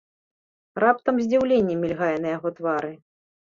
Раптам здзіўленне мільгае на яго твары.